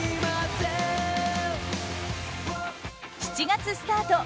７月スタート